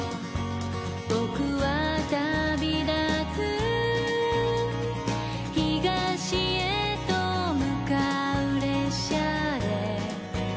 僕は旅立つ」「東へと向う列車で」